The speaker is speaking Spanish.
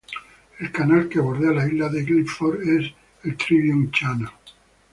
El canal que bordea la isla de Gilford es el Tribune Channel.